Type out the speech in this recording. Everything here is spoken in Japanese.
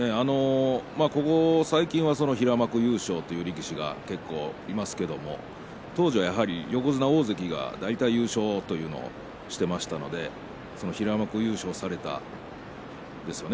ここ最近は平幕優勝という力士が結構いますけれど当時は、やはり横綱大関が大体優勝というのをしていましたのでその平幕優勝をされたんですよね